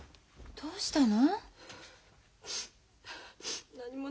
どうしたの？